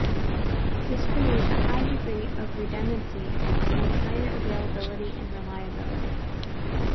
This creates a high degree of redundancy and higher availability and reliability.